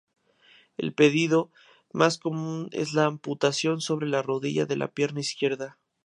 El pedido más común es la amputación sobre la rodilla de la pierna izquierda.